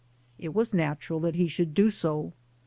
It was natural that he should do so.